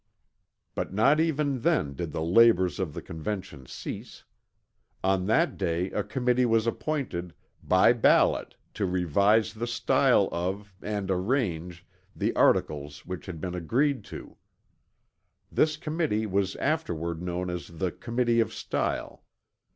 But not even then did the labors of the Convention cease. On that day a committee was appointed, "by ballot, to revise the style of, and arrange, the articles which had been agreed to." This committee was afterward known as the Committee of Style.